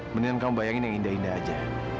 mendingan kamu bayangin yang indah indah aja